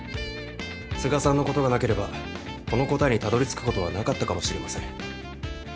都賀さんのことがなければこの答えにたどりつくことはなかったかもしれません。